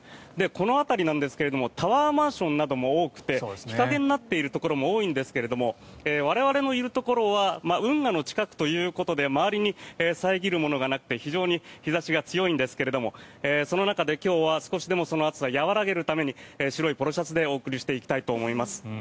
この辺りなんですがタワーマンションなども多くて日陰になっているところも多いんですが我々のいるところは運河の近くということで周りに遮るものがなくて非常に日差しが強いんですがその中で今日は少しでもその暑さを和らげるために白いポロシャツでお送りしていきたいと思います。